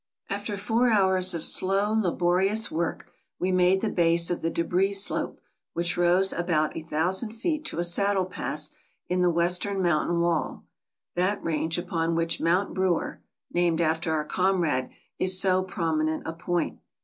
After four hours of slow, laborious work we made the base of the debris slope which rose about a thousand feet to a saddle pass in the western mountain wall, that range upon which Mount Brewer [named after our comrade] is so prom inent a point.